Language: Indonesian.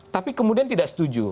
tapi kemudian tidak setuju